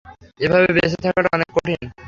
এভাবে বেঁচে থাকাটা অনেক কঠিন।